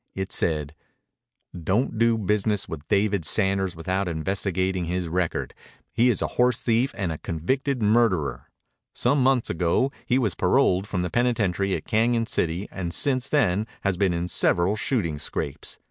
It said: Don't do business with David Sanders without investigating his record. He is a horsethief and a convicted murderer. Some months ago he was paroled from the penitentiary at Cañon City and since then has been in several shooting scrapes.